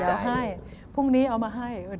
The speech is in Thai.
เดี๋ยวให้พรุ่งนี้เอามาให้